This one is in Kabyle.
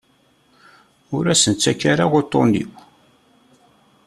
Ur asen-ttak ara uṭṭun-iw.